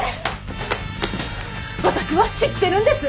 私は知ってるんです！